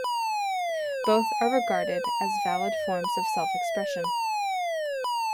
Both are regarded as valid forms of self-expression.